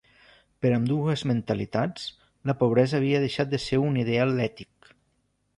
Per ambdues mentalitats la pobresa havia deixat de ser un ideal ètic.